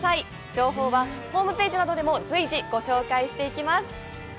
情報はホームページなどでも随時ご紹介していきます！